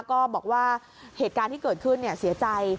ก็บอกว่าเหตุการณ์ที่เกิดขึ้นเสียใจ